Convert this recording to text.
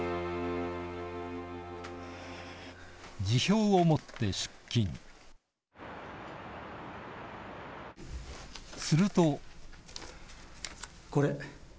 辞表を持って出勤するとこれ。